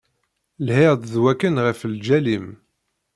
Lhiɣ-d d wakken ɣef lǧal-im.